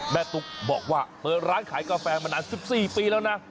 ตุ๊กบอกว่าเปิดร้านขายกาแฟมานาน๑๔ปีแล้วนะ